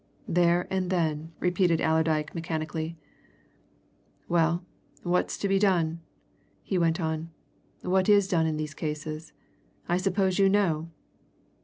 "There and then!" repeated Allerdyke mechanically. "Well what's to be done!" he went on. "What is done in these cases I suppose you know?"